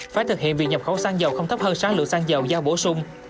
phải thực hiện việc nhập khẩu xăng dầu không thấp hơn sản lượng xăng dầu giao bổ sung